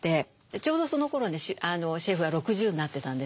ちょうどそのころシェフは６０になってたんですね。